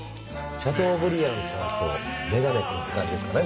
シャトーブリアンさんとメガネ君って感じですかね